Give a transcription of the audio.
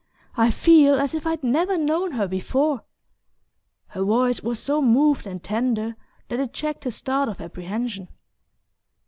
I feel as if I'd never known her before!" Her voice was so moved and tender that it checked his start of apprehension.